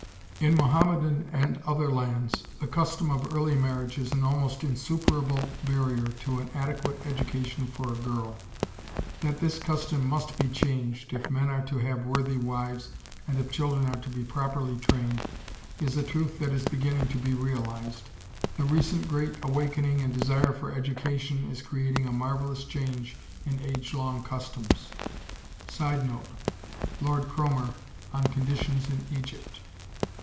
] In Mohammedan and other lands the custom of early marriage is an almost insuperable barrier to an adequate education for a girl. That this custom must be changed, if men are to have worthy wives and if children are to be properly trained, is a truth that is beginning to be realized. The recent great awakening and desire for education is creating a marvelous change in age long customs. [Sidenote: Lord Cromer on conditions in Egypt.